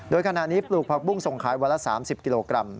โดยขณะนี้ปลูกผักบุ้งส่งขายวันละ๓๐กิโลกรัม